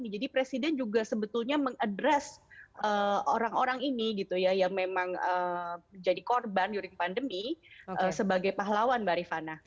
jadi presiden juga sebetulnya mengadres orang orang ini yang memang jadi korban di pandemi sebagai pahlawan mbak rifana